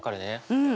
うん。